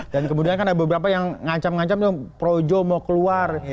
dan kemudian kan ada beberapa yang ngancam ngancam itu projo mau keluar